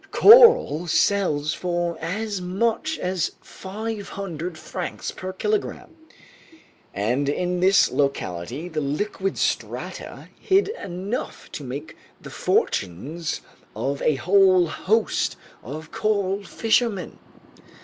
Coral sells for as much as 500 francs per kilogram, and in this locality the liquid strata hid enough to make the fortunes of a whole host of coral fishermen.